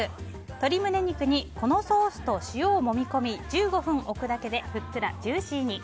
鶏胸肉にこのソースを塩をもみ込み１５分置くだけでふっくらジューシーに！